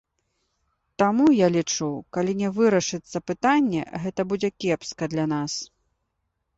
Таму, я лічу, калі не вырашыцца пытанне, гэта будзе кепска для нас.